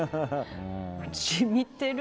染みてる。